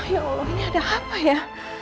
ya allah ini ada apa ya